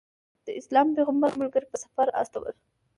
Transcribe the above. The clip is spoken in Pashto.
د اسلام پیغمبر خپل ملګري په سفر استول.